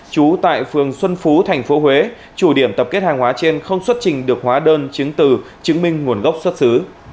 trú tại phường xuân phú tp huế chủ điểm tập kết hàng hóa trên không xuất trình được hóa đơn chứng từ chứng minh nguồn gốc xuất xứ